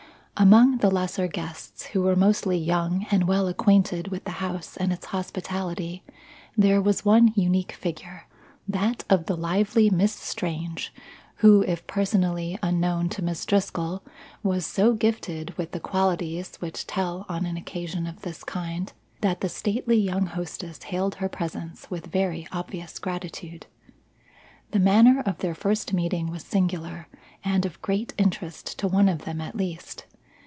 Among the lesser guests, who were mostly young and well acquainted with the house and its hospitality, there was one unique figure, that of the lively Miss Strange, who, if personally unknown to Miss Driscoll, was so gifted with the qualities which tell on an occasion of this kind, that the stately young hostess hailed her presence with very obvious gratitude. The manner of their first meeting was singular, and of great interest to one of them at least.